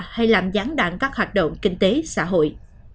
hay làm gián đoạn các hoạt động kinh tế xã hội